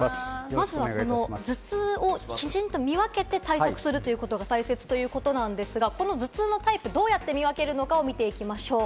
まずは頭痛をきちんと見分けて対策するということが大切ということなんですが、頭痛のタイプ、どうやって見分けるのか見ていきましょう。